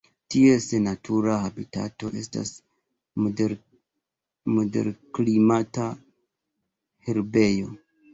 Ties natura habitato estas moderklimata herbejo.